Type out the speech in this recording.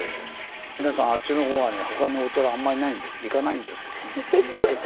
皆さんあっちのほうはね他にお寺あんまりないんで行かないんですけどね。